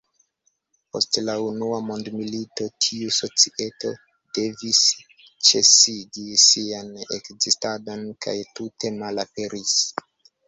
Post la Unua Mondmilito tiu societo devis ĉesigi sian ekzistadon kaj tute malaperis.